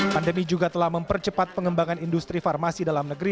pandemi juga telah mempercepat pengembangan industri farmasi dalam negeri